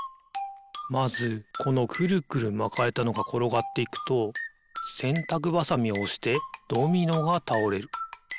まずこのくるくるまかれたのがころがっていくとせんたくばさみをおしてドミノがたおれる。